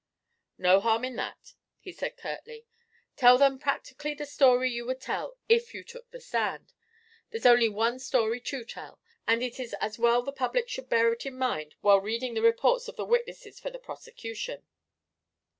"No harm in that," he said curtly. "Tell them practically the story you would tell if you took the stand. There's only one story to tell, and it is as well the public should bear it in mind while reading the reports of the witnesses for the prosecution."